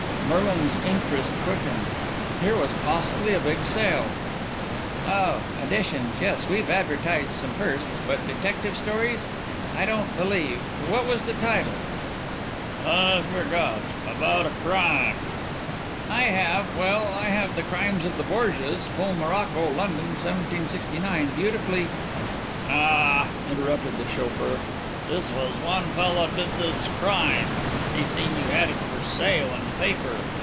Merlin's interest quickened. Here was possibly a big sale. "Oh, editions. Yes, we've advertised some firsts, but detective stories, I don't believe What was the title?" "I forget. About a crime." "About a crime. I have well, I have 'The Crimes of the Borgias' full morocco, London 1769, beautifully " "Naw," interrupted the chauffeur, "this was one fella did this crime. She seen you had it for sale in the paper."